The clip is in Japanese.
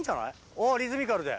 おっリズミカルで。